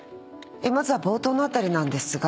まずは冒頭の辺りなんですが。